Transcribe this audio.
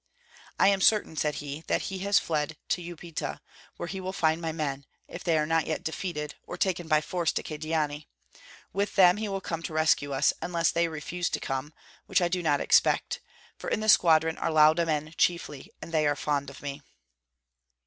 "I am certain," said he, "that he has fled to Upita, where he will find my men, if they are not yet defeated, or taken by force to Kyedani. With them he will come to rescue us, unless they refuse to come, which I do not expect; for in the squadron are Lauda men chiefly, and they are fond of me."